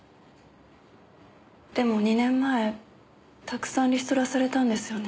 でも２年前たくさんリストラされたんですよね。